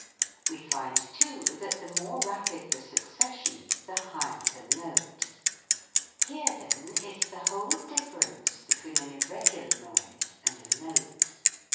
We find, too, that the more rapid the succession the higher the note. Here, thru, is the whole difference between an irregular noise and a note.